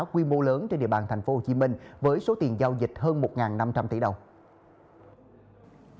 quy mô lớn trên địa bàn tp hcm với số tiền giao dịch hơn một năm trăm linh tỷ đồng